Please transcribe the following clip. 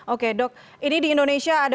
oke dok ini di indonesia ada